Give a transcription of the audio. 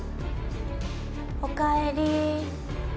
おかえり。